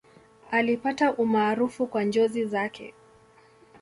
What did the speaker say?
Alipata umaarufu kwa njozi zake.